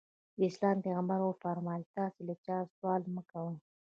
د اسلام پیغمبر وفرمایل تاسې له چا سوال مه کوئ.